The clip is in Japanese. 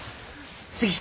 杉下！